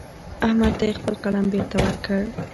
احمد ته يې خپل قلم بېرته ورکړ.